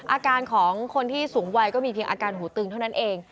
อาการของคนที่สูงวัยก็มีเพียงอาการหูตึงเท่านั้นเอง